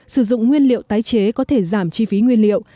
sử dụng nguyên liệu tái chế có thể giảm chi phí nguyên liệu